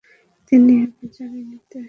তিনি অভিযানে নির্দেশনা দেন।